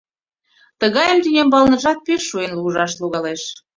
Тыгайым тӱнямбалныжат пеш шуэн ужаш логалеш.